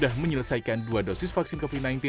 sudah menyelesaikan dua dosis vaksin covid sembilan belas